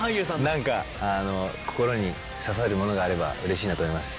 何か心に刺さるものがあればうれしいなと思います。